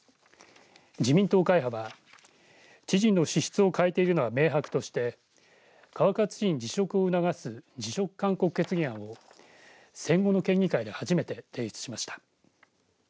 自民党会派は知事の資質を欠いているのは明白として川勝知事に辞職を促す辞職勧告決議案を戦後の県議会で初めて提出しました。